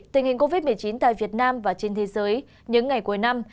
tình hình covid một mươi chín tại việt nam và trên thế giới những ngày cuối năm